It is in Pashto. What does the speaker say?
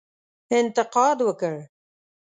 انتقاد وکړ.